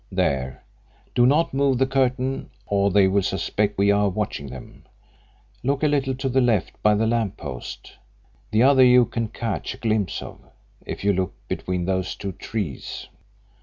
"There. Do not move the curtain or they will suspect we are watching them. Look a little to the left, by the lamp post. The other you can catch a glimpse of if you look between those two trees."